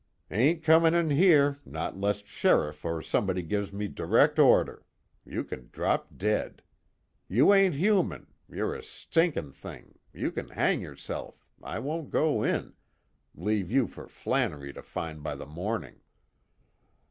"Ain't comin' in 'ere, not 'less Sheriff or somebody gives me direc' order, you can drop dead. You ain't human, you're a stinkin' t'ing, you can hang yourself I won't go in, leave you for Flannery to find by the morning."